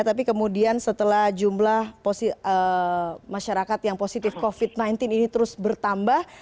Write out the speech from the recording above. tapi kemudian setelah jumlah masyarakat yang positif covid sembilan belas ini terus bertambah